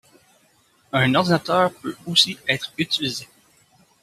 Un ordinateur peut aussi être utilisé.